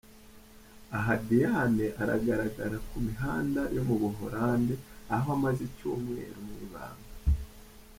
Aha Diane aragaragara ku mihanda yo mu Buhorandi aho amaze icyumweru mu ibanga .